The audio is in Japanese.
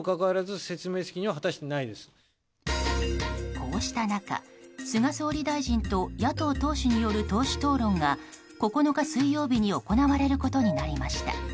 こうした中、菅総理大臣と野党党首による党首討論が９日水曜日に行われることになりました。